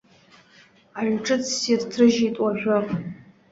Аҩ ҿыц ссир ҭрыжьит уажәы.